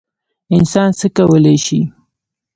انسان څه کولی شي؟